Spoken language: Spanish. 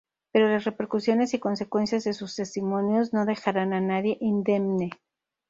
Pero las repercusiones y consecuencias de sus testimonios no dejarán a nadie indemne.